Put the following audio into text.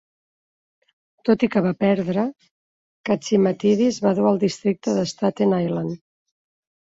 Tot i que va perdre, Catsimatidis va dur el districte de Staten Island.